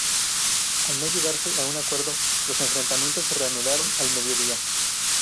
Al no llegarse a un acuerdo, los enfrentamientos se reanudaron al mediodía.